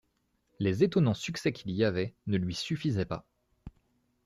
Les étonnants succès qu'il y avait ne lui suffisaient pas.